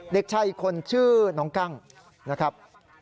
เด็กชายอีกคนชื่อน้องกั้งนะครับ